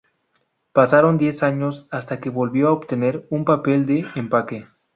Pasaron diez años hasta que volvió a obtener un papel de empaque.